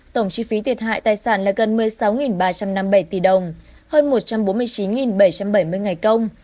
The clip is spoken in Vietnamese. tổng chi phí thiệt hại tài sản là gần một mươi sáu ba trăm năm mươi bảy tỷ đồng hơn một trăm bốn mươi chín bảy trăm bảy mươi ngày công